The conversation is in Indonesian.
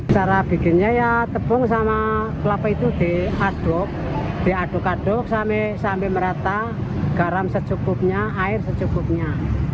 cara bikinnya ya tepung sama kelapa itu diaduk diaduk aduk sampai merata garam secukupnya air secukupnya